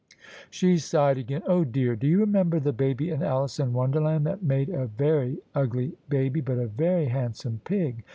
She sighed again. "Oh, dear I Do you remember the baby in Alice in Wonderland that made a very ugly baby but a very handsome pig?